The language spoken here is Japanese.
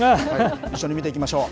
一緒に見ていきましょう。